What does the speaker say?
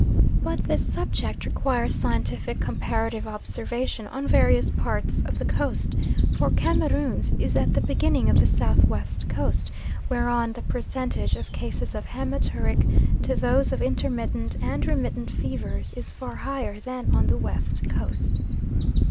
But this subject requires scientific comparative observation on various parts of the Coast, for Cameroons is at the beginning of the South West Coast, whereon the percentage of cases of haematuric to those of intermittent and remittent fevers is far higher than on the West Coast.